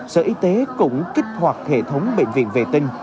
sở y tế cũng kích hoạt hệ thống bệnh viện vệ tinh